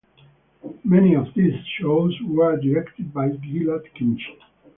Many of these shows were directed by Gilad Kimchi.